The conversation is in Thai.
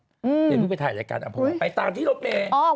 เดี๋ยวพี่ไปถ่ายรายการอัมภาวะไปตามที่เราไป